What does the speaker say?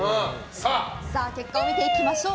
結果を見ていきましょう。